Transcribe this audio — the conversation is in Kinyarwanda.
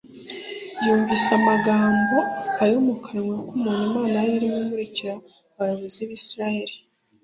yumvise amagambo aya mu kanwa k'umuntu Imana yarimo imurikira abayobozi b'Isiraeli,